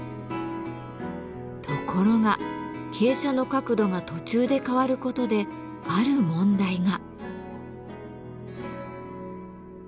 ところが傾斜の角度が途中で変わることである問題が。